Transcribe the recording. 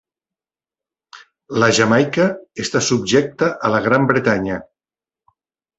La Jamaica està subjecta a la Gran Bretanya.